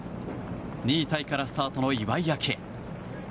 ２位タイからスタートの岩井明愛。